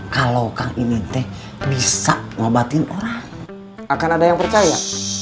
kalau kang ini teh bisa ngobatin orang akan ada yang percaya